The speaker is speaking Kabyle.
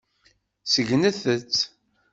Segnet-t.